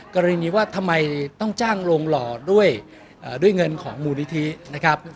กรณีว่าทำไมต้องจ้างโรงหล่อด้วยเงินของมูลนิธินะครับ